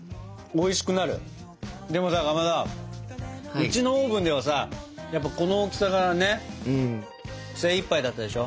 うちのオーブンではさやっぱこの大きさがね精いっぱいだったでしょ。